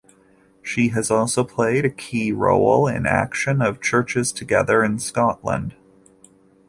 She has also played a key role in Action of Churches Together in Scotland.